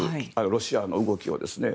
ロシアの動きをですね。